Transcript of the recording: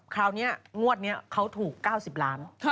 คราวนี้งวดนี้เขาถูก๙๐ล้าน